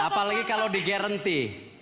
apalagi kalau digaranti